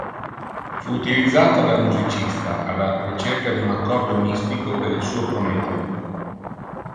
Fu utilizzata dal musicista alla ricerca di un "accordo mistico" per il suo "Prometeo".